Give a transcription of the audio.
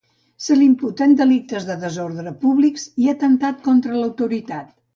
Se li imputen delictes de desordres públics i atemptat contra l’autoritat.